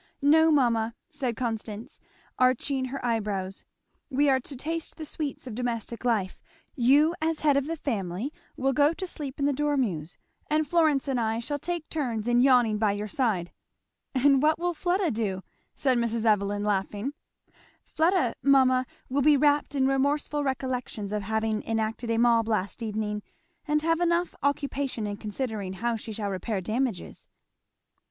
"No mamma," said Constance arching her eyebrows, "we are to taste the sweets of domestic life you as head of the family will go to sleep in the dormeuse, and Florence and I shall take turns in yawning by your side." "And what will Fleda do?" said Mrs. Evelyn laughing. "Fleda, mamma, will be wrapped in remorseful recollections of having enacted a mob last evening and have enough occupation in considering how she shall repair damages."